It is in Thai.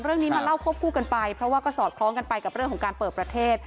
เรื่องนี้มาเล่าควบคู่กันไปเพราะว่าก็สอดคล้องกันไปกับเรื่องของการเปิดประเทศ